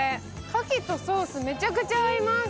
かきとソースめちゃくちゃ合います。